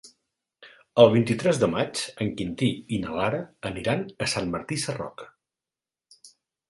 El vint-i-tres de maig en Quintí i na Lara aniran a Sant Martí Sarroca.